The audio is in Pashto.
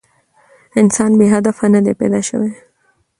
انسان بې هدفه نه دی پيداشوی